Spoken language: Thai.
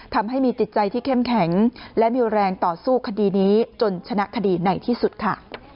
ทำให้มีจิตใจที่เข้มแข็งและมีแรงต่อสู้คดีนี้จนชนะคดีในที่สุดค่ะ